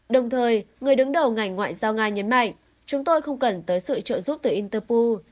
đồng thời người đứng đầu ngành ngoại giao nga nhấn mạnh chúng tôi không cần tới sự trợ giúp từ interpu